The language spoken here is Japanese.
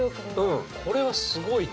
これはすごいね。